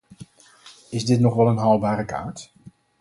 Is dit nog wel een haalbare kaart?